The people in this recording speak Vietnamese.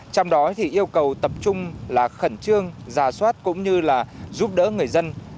trong đó thì yêu cầu tập trung là khẩn trương giả soát cũng như là giúp đỡ người dân